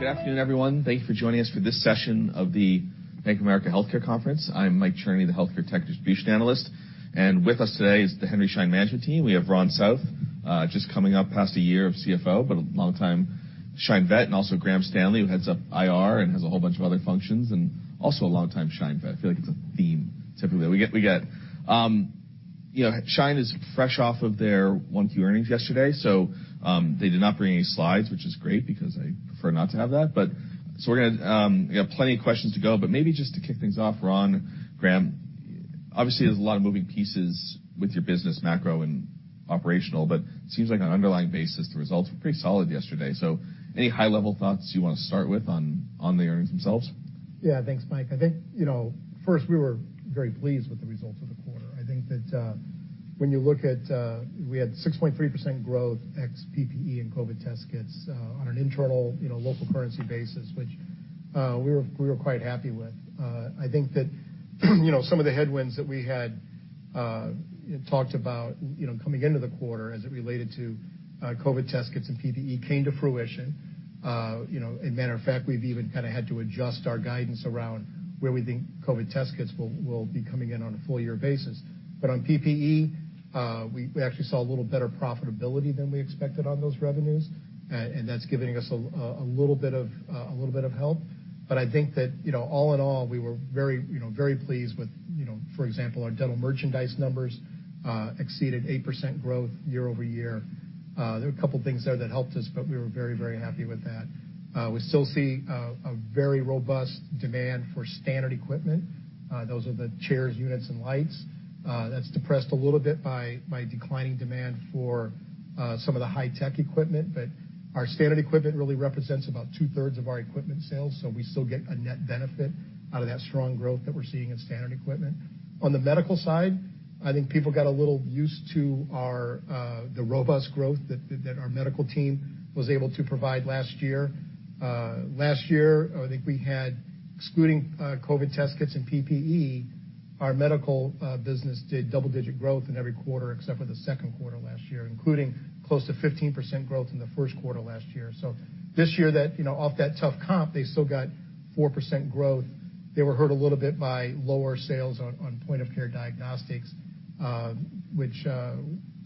Good afternoon, everyone. Thank you for joining us for this session of the Bank of America Healthcare Conference. I'm Michael Cherny, the healthcare tech distribution analyst. With us today is the Henry Schein management team. We have Ron South, just coming up past a year of CFO, but a long time Schein vet, and also Graham Stanley, who heads up IR and has a whole bunch of other functions and also a long time Schein vet. I feel like it's a theme typically. We get, you know, Schein is fresh off of their 1Q earnings yesterday, so they did not bring any slides, which is great because I prefer not to have that. We're gonna, we have plenty of questions to go, but maybe just to kick things off, Ron, Graham, obviously, there's a lot of moving pieces with your business, macro and operational, but seems like on an underlying basis, the results were pretty solid yesterday. Any high-level thoughts you wanna start with on the earnings themselves? Yeah. Thanks, Mike. I think, you know, first, we were very pleased with the results of the quarter. I think that, when you look at, we had 6.3% growth ex PPE and COVID test kits, on an internal, you know, local currency basis, which, we were quite happy with. I think that, you know, some of the headwinds that we had, talked about, you know, coming into the quarter as it related to, COVID test kits and PPE came to fruition. You know, matter of fact, we've even kinda had to adjust our guidance around where we think COVID test kits will be coming in on a full year basis. On PPE, we actually saw a little better profitability than we expected on those revenues, and that's giving us a little bit of a little bit of help. I think that, you know, all in all, we were very, you know, very pleased with, you know, for example, our dental merchandise numbers, exceeded 8% growth year-over-year. There were a couple of things there that helped us, but we were very, very happy with that. We still see a very robust demand for standard equipment. Those are the chairs, units, and lights. That's depressed a little bit by declining demand for some of the high-tech equipment. Our standard equipment really represents about 2/3 of our equipment sales, so we still get a net benefit out of that strong growth that we're seeing in standard equipment. On the medical side, I think people got a little used to our the robust growth that our medical team was able to provide last year. Last year, I think we had, excluding COVID test kits and PPE, our medical business did double-digit growth in every quarter except for the second quarter last year, including close to 15% growth in the first quarter last year. This year that, you know, off that tough comp, they still got 4% growth. They were hurt a little bit by lower sales on point-of-care diagnostics, which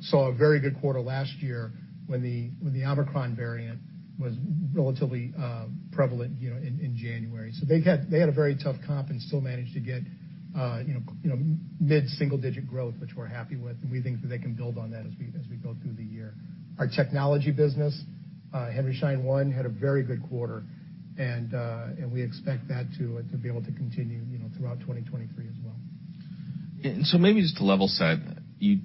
saw a very good quarter last year when the Omicron variant was relatively prevalent, you know, in January. They had a very tough comp and still managed to get, you know, mid-single digit growth, which we're happy with, and we think that they can build on that as we, as we go through the year. Our technology business, Henry Schein One, had a very good quarter. We expect that to be able to continue, you know, throughout 2023 as well. Maybe just to level set, you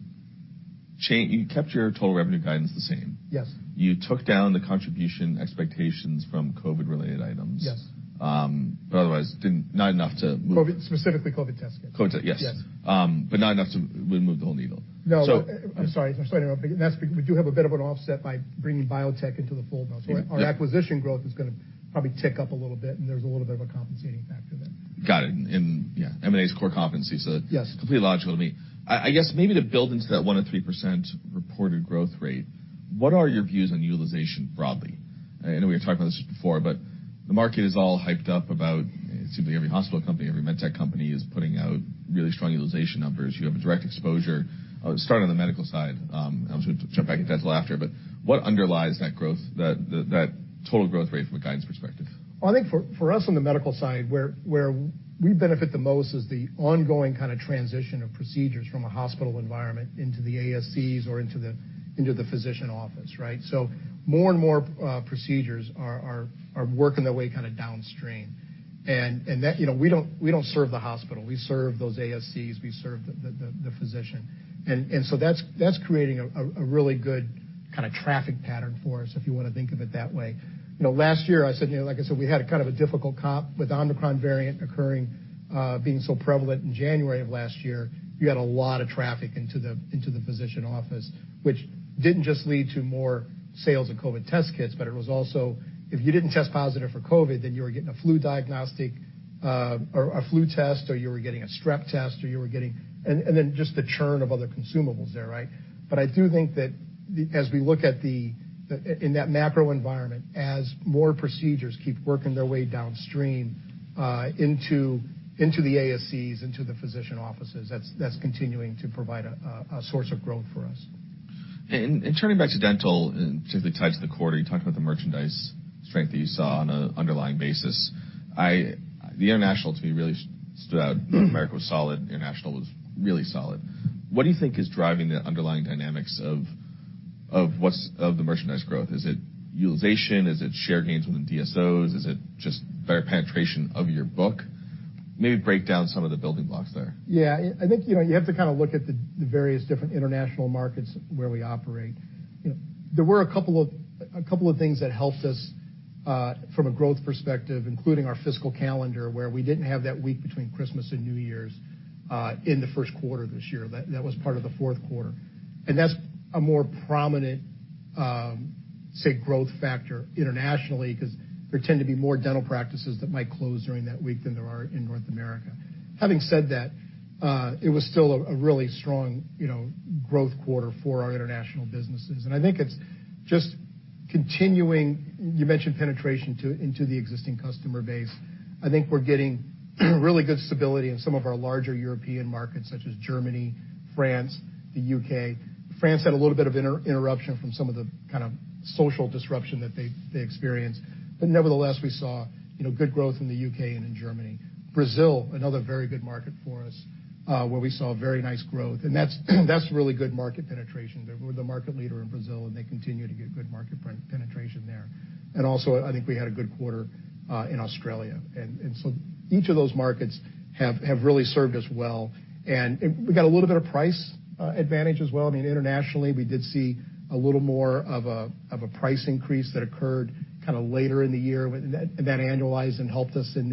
kept your total revenue guidance the same. Yes. You took down the contribution expectations from COVID-related items. Yes. otherwise, didn't, not enough to move. COVID, specifically COVID test kits. yes. Yes. not enough to move the whole needle. No. So- I'm sorry. I'm sorry to interrupt. We do have a bit of an offset by bringing Biotech into the fold now. Yes. Our acquisition growth is gonna probably tick up a little bit, and there's a little bit of a compensating factor there. Got it. Yeah, M&A's core competency. Yes. Completely logical to me. I guess maybe to build into that 1% to 3% reported growth rate, what are your views on utilization broadly? I know we've talked about this before, the market is all hyped up about seemingly every hospital company, every med tech company is putting out really strong utilization numbers. You have a direct exposure. Start on the medical side. I'm just gonna jump back to dental after. What underlies that growth, that total growth rate from a guidance perspective? Well, I think for us on the medical side, where we benefit the most is the ongoing kinda transition of procedures from a hospital environment into the ASCs or into the physician office, right? More and more procedures are working their way kinda downstream. That, you know, we don't, we don't serve the hospital. We serve those ASCs. We serve the physician. That's creating a really good kinda traffic pattern for us, if you wanna think of it that way. You know, last year, I said, you know, like I said, we had a kind of a difficult comp with the Omicron variant occurring, being so prevalent in January of last year. You had a lot of traffic into the physician office, which didn't just lead to more sales of COVID test kits, but it was also, if you didn't test positive for COVID, then you were getting a flu diagnostic, or a flu test, or you were getting a strep test, or you were getting. Then just the churn of other consumables there, right? I do think that as we look at the in that macro environment, as more procedures keep working their way downstream, into the ASCs, into the physician offices, that's continuing to provide a source of growth for us. Turning back to dental, typically tied to the quarter, you talked about the merchandise strength that you saw on an underlying basis. The international to me really stood out. Mm-hmm. North America was solid. International was really solid. What do you think is driving the underlying dynamics of the merchandise growth? Is it utilization? Is it share gains within DSOs? Is it just better penetration of your book? Maybe break down some of the building blocks there. Yeah. I think, you know, you have to kinda look at the various different international markets where we operate. You know, there were a couple of things that helped us from a growth perspective, including our fiscal calendar, where we didn't have that week between Christmas and New Year's in the first quarter this year. That was part of the fourth quarter. That's a more prominent, say, growth factor internationally 'cause there tend to be more dental practices that might close during that week than there are in North America. Having said that, it was still a really strong, you know, growth quarter for our international businesses. I think it's just continuing... You mentioned penetration into the existing customer base. I think we're getting really good stability in some of our larger European markets, such as Germany, France, the U.K. France had a little bit of interruption from some of the kind of social disruption that they experienced. Nevertheless, we saw, you know, good growth in the U.K. and in Germany. Brazil, another very good market for us, where we saw very nice growth. That's really good market penetration. We're the market leader in Brazil, and they continue to get good market penetration there. Also, I think we had a good quarter in Australia. Each of those markets have really served us well. We got a little bit of price advantage as well. I mean, internationally, we did see a little more of a price increase that occurred kind of later in the year. That annualized and helped us in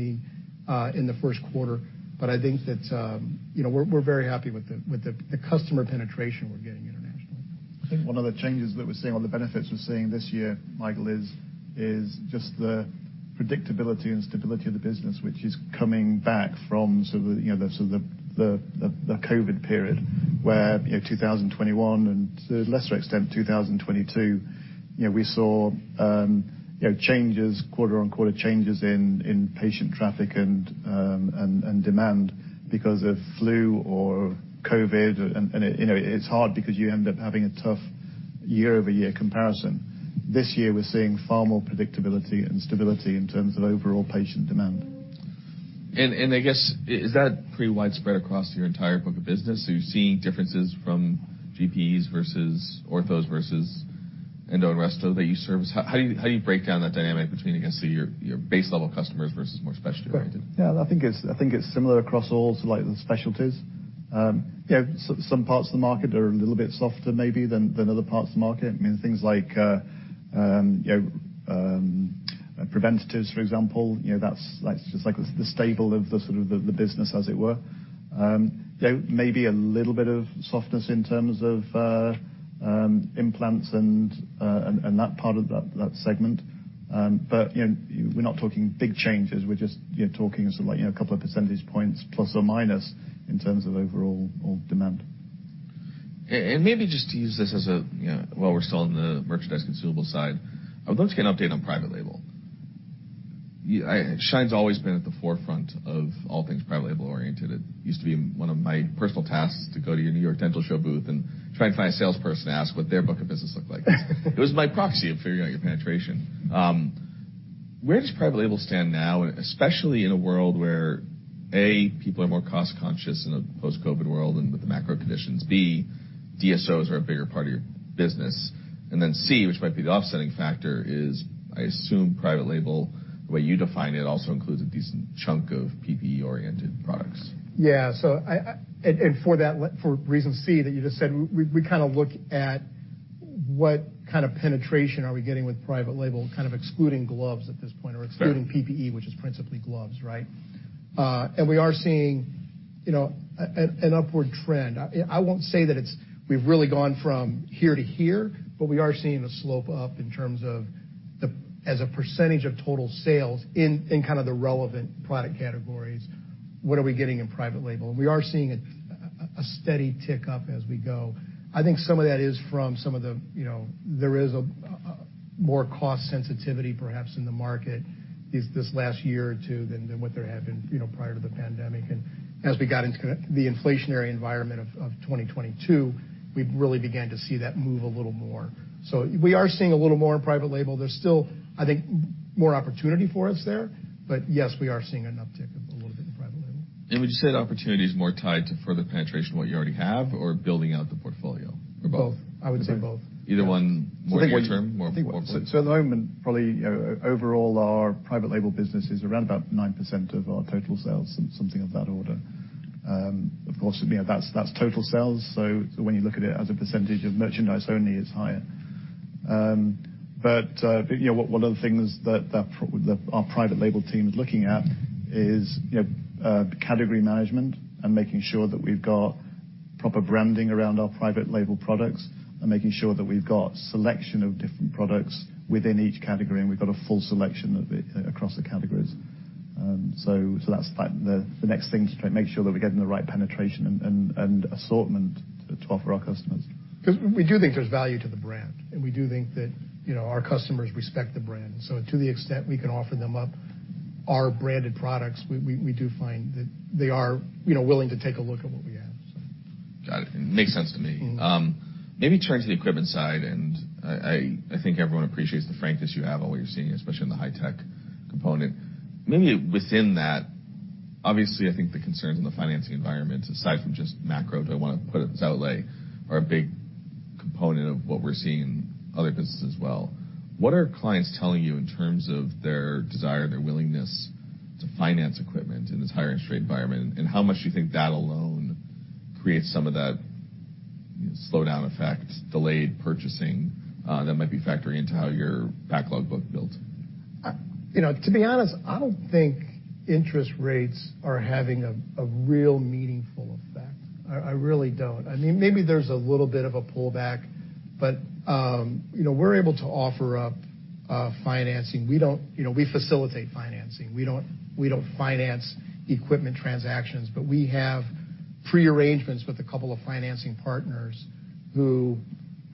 the first quarter. I think that, you know, we're very happy with the, with the customer penetration we're getting internationally. I think one of the changes that we're seeing or the benefits we're seeing this year, Michael, is just the predictability and stability of the business, which is coming back from sort of, you know, the COVID period, where, you know, 2021 and to a lesser extent, 2022, you know, we saw, you know, changes, quarter-on-quarter changes in patient traffic and demand because of flu or COVID. It, you know, it's hard because you end up having a tough year-over-year comparison. This year we're seeing far more predictability and stability in terms of overall patient demand. I guess, is that pretty widespread across your entire book of business? Are you seeing differences from GPs versus orthos versus endo and resto that you service? How do you break down that dynamic between, I guess, so your base level customers versus more specialty oriented? Yeah, I think it's, I think it's similar across all like, the specialties. You know, some parts of the market are a little bit softer maybe than other parts of the market. I mean, things like, you know, preventatives, for example, you know, that's like, it's just like the staple of the sort of the business as it were. You know, maybe a little bit of softness in terms of implants and that part of that segment. You know, we're not talking big changes. We're just, you know, talking sort of like, you know, a couple of percentage points plus or minus in terms of overall demand. Maybe just to use this as a, you know, while we're still on the merchandise consumable side, I would love to get an update on private label. Schein's always been at the forefront of all things private label oriented. It used to be one of my personal tasks to go to your New York Dental Show booth and try and find a salesperson to ask what their book of business looked like. It was my proxy of figuring out your penetration. Where does private label stand now, and especially in a world where, A, people are more cost conscious in a post-COVID world and with the macro conditions. B, DSOs are a bigger part of your business. C, which might be the offsetting factor, is, I assume private label, the way you define it, also includes a decent chunk of PPE-oriented products. Yeah. For that, for reason C that you just said, we kind of look at what kind of penetration are we getting with private label, kind of excluding gloves at this point. Sure. Excluding PPE, which is principally gloves, right? We are seeing, you know, an upward trend. I won't say that we've really gone from here to here, but we are seeing a slope up in terms of the, as a percentage of total sales in kind of the relevant product categories, what are we getting in private label? We are seeing a steady tick up as we go. I think some of that is from some of the, you know. There is a more cost sensitivity perhaps in the market this last year or two than what there had been, you know, prior to the pandemic. As we got into kind of the inflationary environment of 2022, we really began to see that move a little more. We are seeing a little more in private label. There's still, I think, more opportunity for us there. Yes, we are seeing an uptick of a little bit in private label. Would you say the opportunity is more tied to further penetration of what you already have or building out the portfolio, or both? Both. I would say both. Okay. Either one more short term, more long term? I think at the moment, probably, you know, overall, our private label business is around about 9% of our total sales, so something of that order. Of course, you know, that's total sales. When you look at it as a percentage of merchandise only, it's higher. But, you know, one of the things that our private label team is looking at is, you know, category management and making sure that we've got proper branding around our private label products and making sure that we've got selection of different products within each category, and we've got a full selection of it across the categories. That's like the next thing to try and make sure that we're getting the right penetration and assortment to offer our customers. We do think there's value to the brand, and we do think that, you know, our customers respect the brand. To the extent we can offer them up our branded products, we do find that they are, you know, willing to take a look at what we have, so. Got it. Makes sense to me. Mm-hmm. Maybe turning to the equipment side, and I think everyone appreciates the frankness you have on what you're seeing, especially in the high tech component. Maybe within that, obviously, I think the concerns in the financing environment, aside from just macro, don't wanna put it out like are a big component of what we're seeing in other businesses as well. What are clients telling you in terms of their desire, their willingness to finance equipment in this higher interest rate environment? How much do you think that alone creates some of that slowdown effect, delayed purchasing, that might be factoring into how your backlog book builds? You know, to be honest, I don't think interest rates are having a real meaningful effect. I really don't. I mean, maybe there's a little bit of a pullback, but, you know, we're able to offer up financing. We don't, you know, we facilitate financing. We don't, we don't finance equipment transactions, but we have pre-arrangements with a couple of financing partners who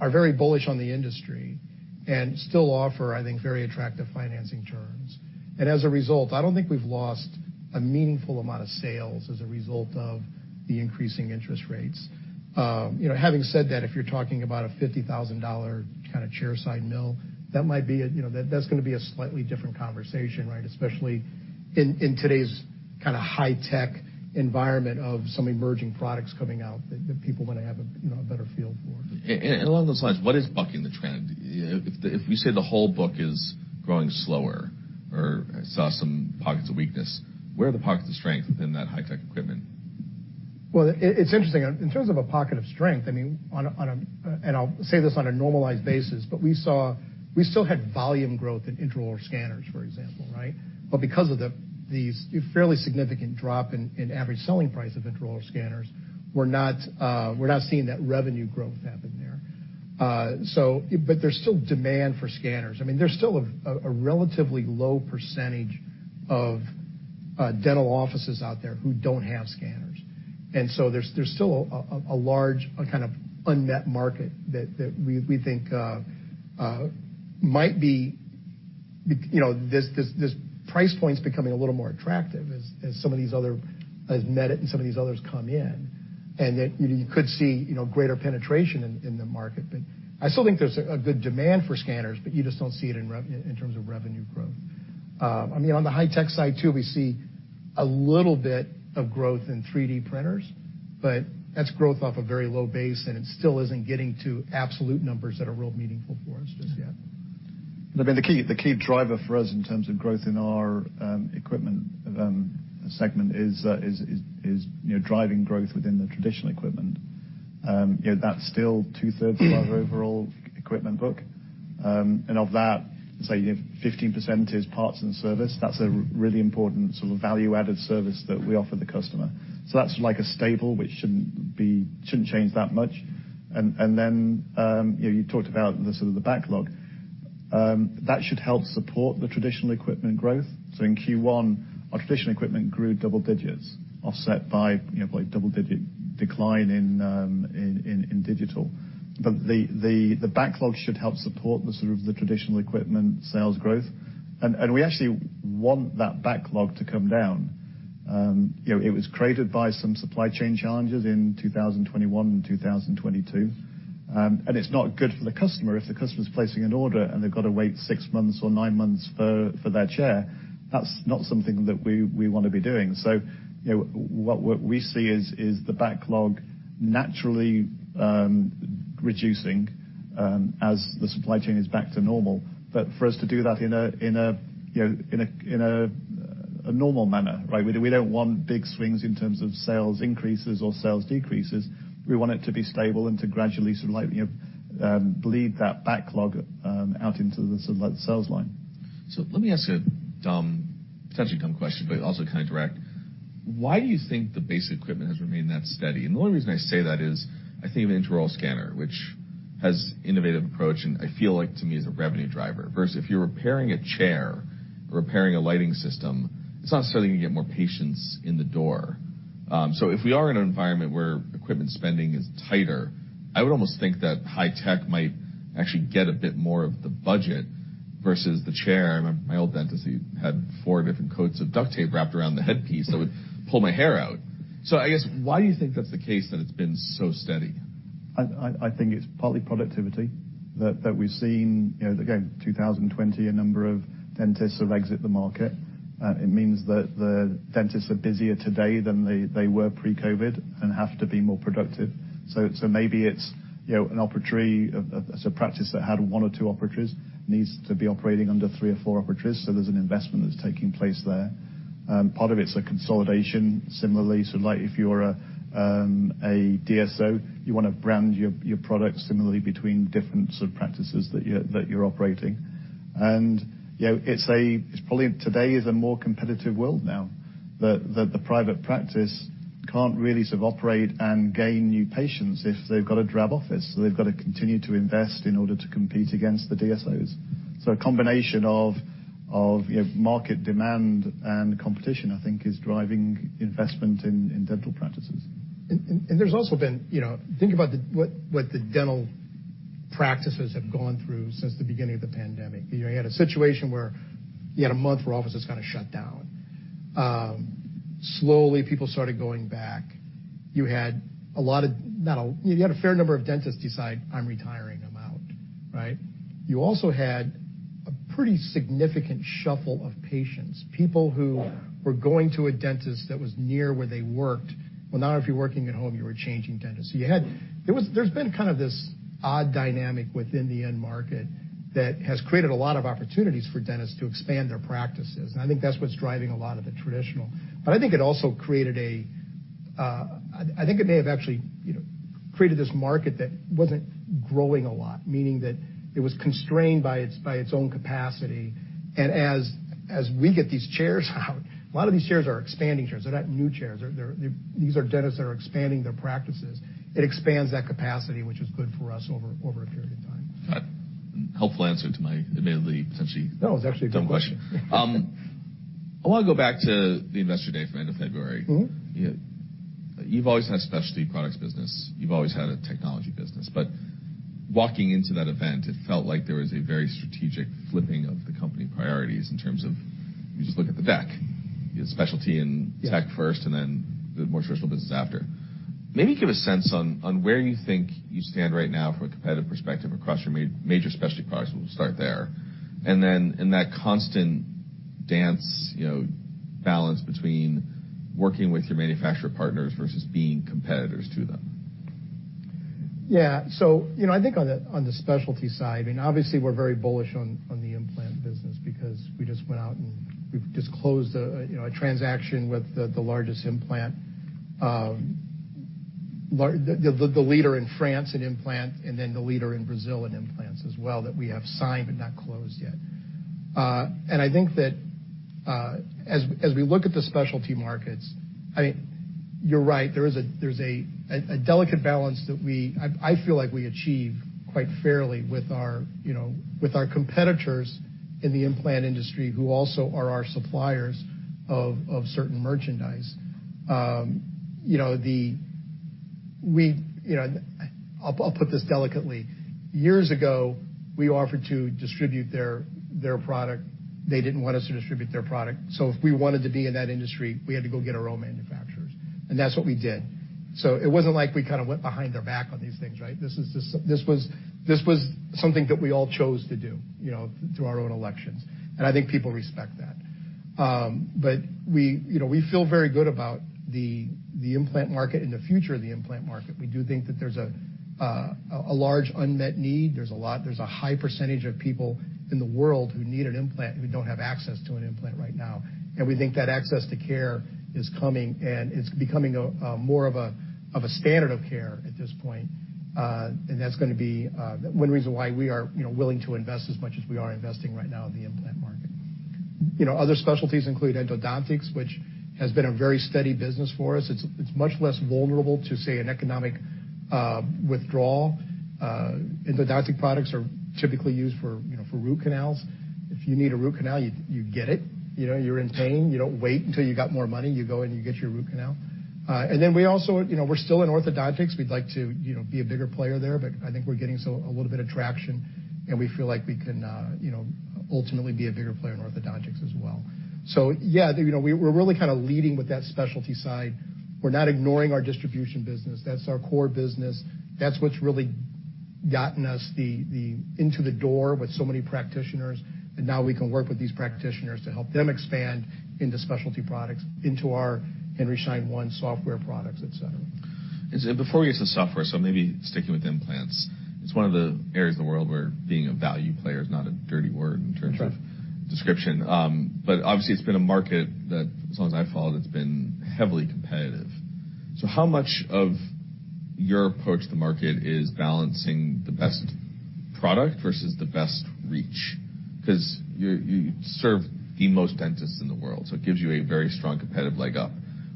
are very bullish on the industry and still offer, I think, very attractive financing terms. As a result, I don't think we've lost a meaningful amount of sales as a result of the increasing interest rates. You know, having said that, if you're talking about a $50,000 kinda chairside mill, that might be a, you know, that's gonna be a slightly different conversation, right? Especially in today's kinda high-tech environment of some emerging products coming out that people wanna have a, you know, a better feel for. Along those lines, what is bucking the trend? If we say the whole book is growing slower or saw some pockets of weakness, where are the pockets of strength within that high-tech equipment? It's interesting. In terms of a pocket of strength, I mean, on a, and I'll say this on a normalized basis, but we still had volume growth in intraoral scanners, for example, right? Because of the fairly significant drop in average selling price of intraoral scanners, we're not seeing that revenue growth happen there. But there's still demand for scanners. I mean, there's still a relatively low percentage of dental offices out there who don't have scanners. So there's still a large kind of unmet market that we think might be, you know, this price point's becoming a little more attractive as some of these other, as Medit and some of these others come in. Then you could see, you know, greater penetration in the market. I still think there's a good demand for scanners, but you just don't see it in terms of revenue growth. I mean, on the high-tech side too, we see a little bit of growth in 3D printers, but that's growth off a very low base, and it still isn't getting to absolute numbers that are real meaningful for us just yet. Look, I mean, the key driver for us in terms of growth in our equipment segment is, you know, driving growth within the traditional equipment. You know, that's still two-thirds of our overall equipment book. Of that, say 15% is parts and service. That's a really important sort of value-added service that we offer the customer. That's like a stable, which shouldn't be, shouldn't change that much. You know, you talked about the sort of the backlog. That should help support the traditional equipment growth. In Q1, our traditional equipment grew double digits, offset by, you know, by double-digit decline in digital. The backlog should help support the sort of the traditional equipment sales growth. We actually want that backlog to come down. You know, it was created by some supply chain challenges in 2021 and 2022. It's not good for the customer if the customer is placing an order and they've got to wait six months or nine months for their chair. That's not something that we wanna be doing. You know, what we see is the backlog naturally reducing as the supply chain is back to normal. For us to do that in a, you know, in a normal manner, right? We don't want big swings in terms of sales increases or sales decreases. We want it to be stable and to gradually sort of like, you know, bleed that backlog out into the sort of like sales line. Let me ask a dumb, potentially dumb question, but also kind of direct. Why do you think the basic equipment has remained that steady? The only reason I say that is, I think of an intraoral scanner, which has innovative approach, and I feel like to me is a revenue driver. Versus if you're repairing a chair or repairing a lighting system, it's not necessarily gonna get more patients in the door. If we are in an environment where equipment spending is tighter, I would almost think that high tech might actually get a bit more of the budget versus the chair. My old dentist, he had four different coats of duct tape wrapped around the headpiece that would pull my hair out. I guess, why do you think that's the case that it's been so steady? I think it's partly productivity that we've seen. You know, again, 2020, a number of dentists have exit the market. It means that the dentists are busier today than they were pre-COVID and have to be more productive. Maybe it's, you know, as a practice that had one or two operatories needs to be operating under three or four operatories. So there's an investment that's taking place there. Part of it's a consolidation similarly. Like if you're a DSO, you wanna brand your products similarly between different sort of practices that you're operating. You know, it's probably today is a more competitive world now that the private practice can't really sort of operate and gain new patients if they've got a drab office. They've got to continue to invest in order to compete against the DSOs. A combination of, you know, market demand and competition, I think is driving investment in dental practices. There's also been, you know, think about what the dental practices have gone through since the beginning of the pandemic. You know, you had a situation where you had a month where offices kind of shut down. Slowly people started going back. You had a fair number of dentists decide, "I'm retiring. I'm out." Right? You also had a pretty significant shuffle of patients, people who were going to a dentist that was near where they worked. Well, now if you're working at home, you were changing dentists. There's been kind of this odd dynamic within the end market that has created a lot of opportunities for dentists to expand their practices. I think that's what's driving a lot of the traditional. I think it also created a... I think it may have actually, you know created this market that wasn't growing a lot, meaning that it was constrained by its own capacity. As we get these chairs out, a lot of these chairs are expanding chairs. They're not new chairs. These are dentists that are expanding their practices. It expands that capacity, which is good for us over a period of time. All right. Helpful answer to my admittedly, potentially- No, it was actually a good question. -dumb question. I wanna go back to the Investor Day from end of February. Mm-hmm. You've always had a specialty products business, you've always had a technology business. Walking into that event, it felt like there was a very strategic flipping of the company priorities in terms of, if you just look at the deck, you had specialty and tech first- Yeah. Then the more traditional business after. Maybe give a sense on where you think you stand right now from a competitive perspective across your major specialty products. We'll start there. Then in that constant dance, you know, balance between working with your manufacturer partners versus being competitors to them. You know, I think on the, on the specialty side, I mean, obviously, we're very bullish on the implant business because we just went out and we've just closed a, you know, a transaction with the largest implant, the leader in France in implant, and then the leader in Brazil in implants as well, that we have signed but not closed yet. I think that, as we look at the specialty markets, I mean, you're right, there's a delicate balance that I feel like we achieve quite fairly with our, you know, with our competitors in the implant industry, who also are our suppliers of certain merchandise. You know, I'll put this delicately. Years ago, we offered to distribute their product. They didn't want us to distribute their product. If we wanted to be in that industry, we had to go get our own manufacturers, that's what we did. It wasn't like we kind of went behind their back on these things, right? This was something that we all chose to do, you know, through our own elections, I think people respect that. We, you know, we feel very good about the implant market and the future of the implant market. We do think that there's a large unmet need. There's a high percentage of people in the world who need an implant, who don't have access to an implant right now. We think that access to care is coming, and it's becoming more of a standard of care at this point. That's going to be one reason why we are, you know, willing to invest as much as we are investing right now in the implant market. You know, other specialties include endodontics, which has been a very steady business for us. It's much less vulnerable to, say, an economic withdrawal. Endodontic products are typically used for, you know, for root canals. If you need a root canal, you get it. You know, you're in pain. You don't wait until you got more money. You go, and you get your root canal. We also, you know, we're still in orthodontics. We'd like to, you know, be a bigger player there, but I think we're getting a little bit of traction, and we feel like we can, you know, ultimately be a bigger player in orthodontics as well. Yeah, you know, we're really kinda leading with that specialty side. We're not ignoring our distribution business. That's our core business. That's what's really gotten us the into the door with so many practitioners, and now we can work with these practitioners to help them expand into specialty products, into our Henry Schein One software products, et cetera. Before we get to software, maybe sticking with implants. It's one of the areas of the world where being a value player is not a dirty word in terms of. Right. description. Obviously, it's been a market that, as long as I've followed, it's been heavily competitive. How much of your approach to the market is balancing the best product versus the best reach? 'Cause you serve the most dentists in the world, so it gives you a very strong competitive leg up.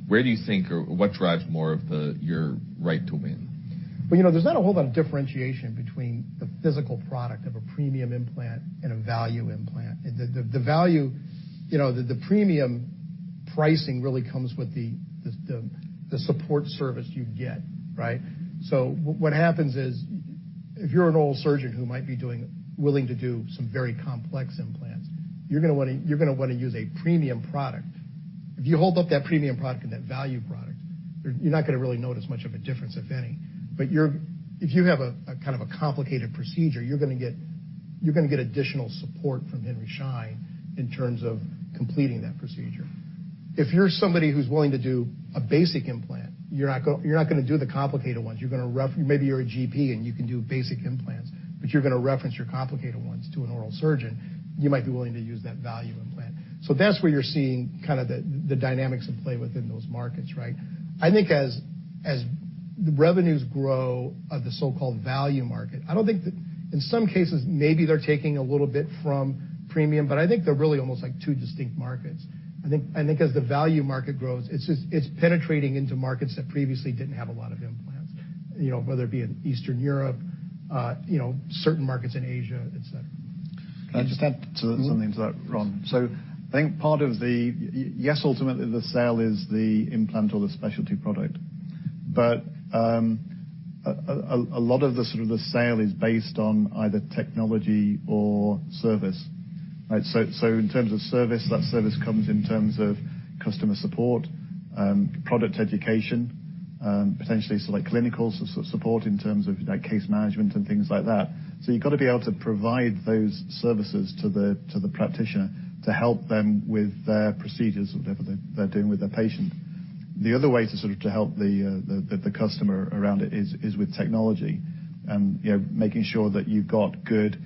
Where do you think or what drives more of the, your right to win? Well, you know, there's not a whole lot of differentiation between the physical product of a premium implant and a value implant. The value, you know, the premium pricing really comes with the support service you get, right? What happens is, if you're an oral surgeon who might be willing to do some very complex implants, you're gonna wanna use a premium product. If you hold up that premium product and that value product, you're not gonna really notice much of a difference, if any. If you have a kind of a complicated procedure, you're gonna get additional support from Henry Schein in terms of completing that procedure. If you're somebody who's willing to do a basic implant, you're not gonna do the complicated ones. Maybe you're a GP, you can do basic implants, you're gonna reference your complicated ones to an oral surgeon. You might be willing to use that value implant. That's where you're seeing kinda the dynamics at play within those markets, right? I think as the revenues grow of the so-called value market, I don't think that... In some cases, maybe they're taking a little bit from premium, I think they're really almost like two distinct markets. I think as the value market grows, it's just, it's penetrating into markets that previously didn't have a lot of implants, you know, whether it be in Eastern Europe, you know, certain markets in Asia, et cetera. Can I just add to something to that, Ron? Mm-hmm. I think part of the... Yes, ultimately, the sale is the implant or the specialty product. A lot of the sort of the sale is based on either technology or service, right? In terms of service, that service comes in terms of customer support, product education, potentially select clinical sort of support in terms of like case management and things like that. You've got to be able to provide those services to the practitioner to help them with their procedures, whatever they're doing with their patient. The other way to sort of to help the customer around it is with technology. You know, making sure that you've got good,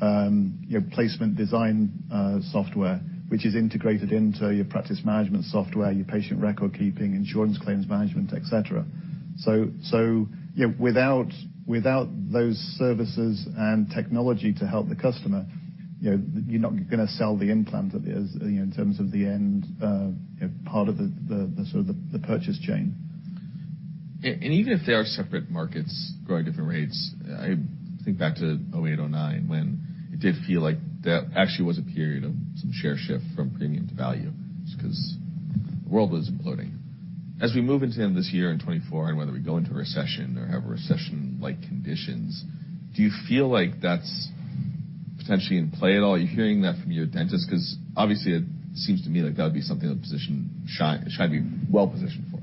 your placement design, software, which is integrated into your practice management software, your patient record-keeping, insurance claims management, et cetera. Without those services and technology to help the customer, you know, you're not gonna sell the implant as, you know, in terms of the end, part of the sort of the purchase chain. Even if they are separate markets growing at different rates, I think back to 2008, 2009, when it did feel like there actually was a period of some share shift from premium to value just 'cause the world was imploding. As we move into end of this year in 2024, and whether we go into a recession or have recession-like conditions, do you feel like that's potentially in play at all? Are you hearing that from your dentists? Obviously it seems to me like that would be something, a position Schein would be well-positioned for.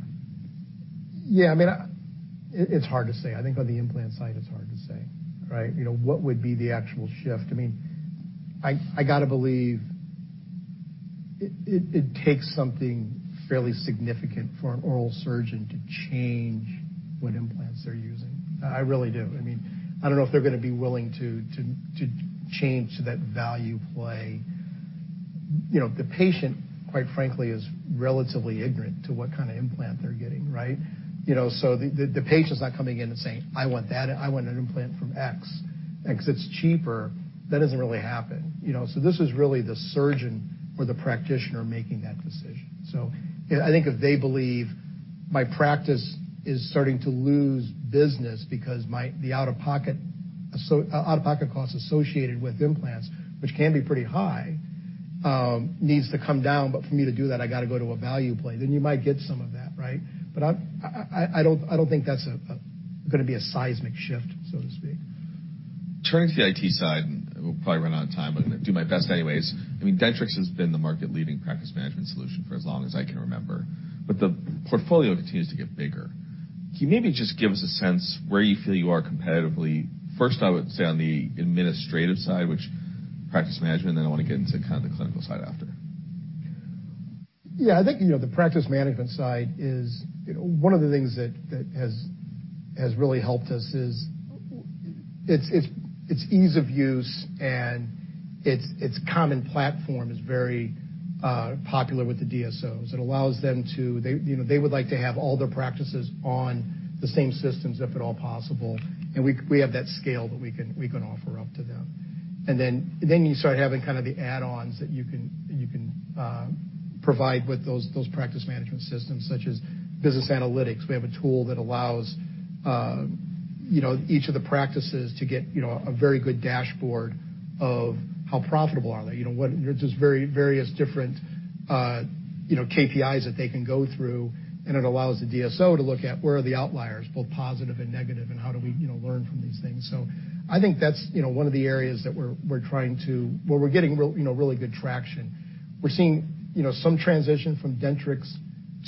Yeah. I mean, it's hard to say. I think on the implant side, it's hard to say, right? You know, what would be the actual shift? I mean, I gotta believe it takes something fairly significant for an oral surgeon to change what implants they're using. I really do. I mean, I don't know if they're gonna be willing to change to that value play. You know, the patient, quite frankly, is relatively ignorant to what kind of implant they're getting, right? You know, the patient's not coming in and saying, "I want that. I want an implant from X because it's cheaper." That doesn't really happen, you know. This is really the surgeon or the practitioner making that decision. I think if they believe my practice is starting to lose business because the out-of-pocket costs associated with implants, which can be pretty high, needs to come down, but for me to do that, I gotta go to a value play, then you might get some of that, right? I don't think that's gonna be a seismic shift, so to speak. Turning to the IT side, we'll probably run out of time, but I'm gonna do my best anyways. I mean, Dentrix has been the market-leading practice management solution for as long as I can remember, but the portfolio continues to get bigger. Can you maybe just give us a sense where you feel you are competitively, first, I would say on the administrative side, which practice management, then I wanna get into kind of the clinical side after. Yeah. I think, you know, the practice management side is, you know, one of the things that has really helped us is its ease of use, and its common platform is very popular with the DSOs. They, you know, would like to have all their practices on the same systems, if at all possible. We have that scale that we can offer up to them. Then you start having kind of the add-ons that you can provide with those practice management systems, such as business analytics. We have a tool that allows, you know, each of the practices to get, you know, a very good dashboard of how profitable are they. You know, Just very various different, you know, KPIs that they can go through, and it allows the DSO to look at where are the outliers, both positive and negative, and how do we, you know, learn from these things. I think that's, you know, one of the areas. Where we're getting real, you know, really good traction. We're seeing, you know, some transition from Dentrix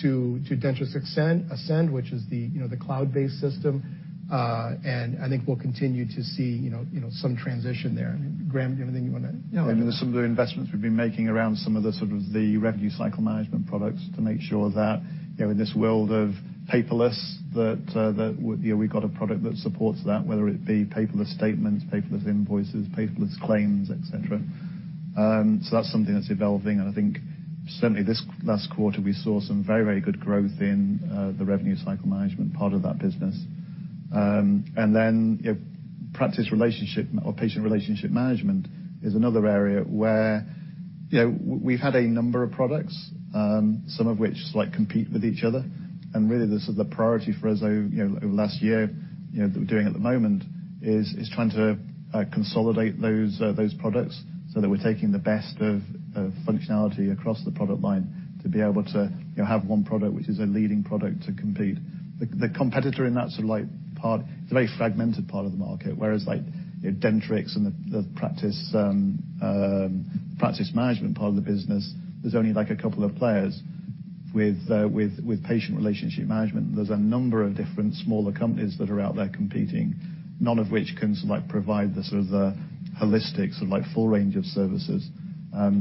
to Dentrix Ascend, which is the, you know, the cloud-based system. I think we'll continue to see, some transition there. Graham, anything you wanna add? No. I mean, some of the investments we've been making around some of the sort of the revenue cycle management products to make sure that, you know, in this world of paperless, that, you know, we've got a product that supports that, whether it be paperless statements, paperless invoices, paperless claims, et cetera. So that's something that's evolving. I think certainly this last quarter, we saw some very, very good growth in the revenue cycle management part of that business. You know, practice relationship or patient relationship management is another area where, you know, we've had a number of products, some of which, like, compete with each other. Really this is the priority for us over, you know, over the last year, you know, that we're doing at the moment is trying to consolidate those products so that we're taking the best of functionality across the product line to be able to, you know, have one product which is a leading product to compete. The competitor in that sort of like part, it's a very fragmented part of the market, whereas like Dentrix and the practice management part of the business, there's only, like a couple of players. With patient relationship management, there's a number of different smaller companies that are out there competing, none of which can sort of like provide the sort of the holistic, sort of like full range of services.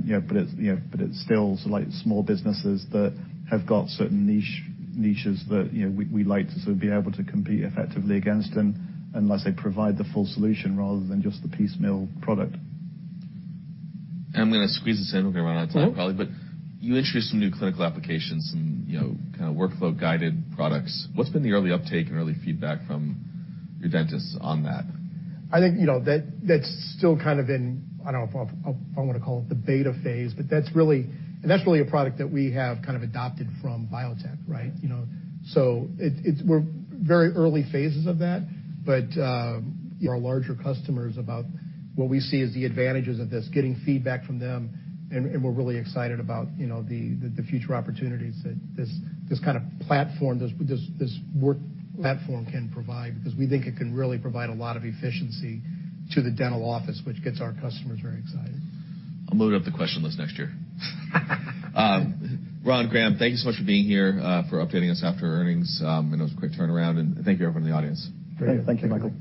you know, it's, you know, but it's still sort of like small businesses that have got certain niche, niches that, you know, we like to sort of be able to compete effectively against them unless they provide the full solution rather than just the piecemeal product. I'm gonna squeeze this in. We're gonna run out of time probably. Mm-hmm. You introduced some new clinical applications and, you know, kind of workflow guided products. What's been the early uptake and early feedback from your dentists on that? I think, you know, that's still kind of in, I don't know if I wanna call it the beta phase, but that's really a product that we have kind of adopted from Biotech, right. It's very early phases of that. Our larger customers about what we see as the advantages of this, getting feedback from them, and we're really excited about, you know, the future opportunities that this kind of platform, this work platform can provide, because we think it can really provide a lot of efficiency to the dental office, which gets our customers very excited. I'm loading up the question list next year. Ron, Graham, thank you so much for being here, for updating us after earnings. I know it was a quick turnaround, thank you everyone in the audience. Thank you, Michael.